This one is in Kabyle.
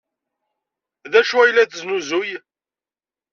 D acu ay la tesnuzuy?